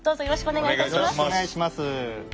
よろしくお願いします。